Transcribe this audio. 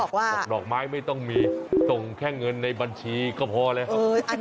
บอกว่านอกไม้ไม่ต้องมีส่งแค่เงินในบัญชีก็พอเลยครับ